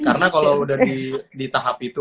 karena kalau udah di tahap itu